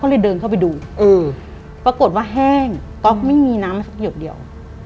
เลยเดินเข้าไปดูเออปรากฏว่าแห้งก๊อกไม่มีน้ำมาสักหยดเดียว